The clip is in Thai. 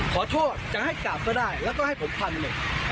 ขอโทษจะให้กราบก็ได้แล้วก็ให้ผมพันหนึ่ง